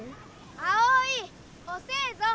葵おせぞ。